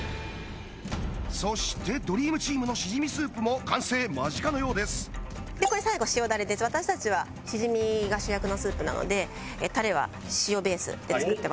そしてドリームチームのしじみスープも完成間近のようですでこれ最後塩ダレです私たちはしじみが主役のスープなのでタレは塩ベースで作ってます